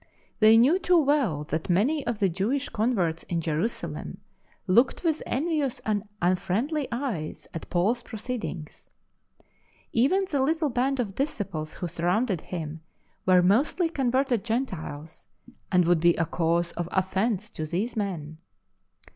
They knew too well that many^ of the Jewish converts in Jerusalem looked with envious and unfriendly eyes at Paul s pro ceedings. Even the little band of disciples w'ho surrounded him were mostly converted Gentiles, and would be a cause of offence to these men.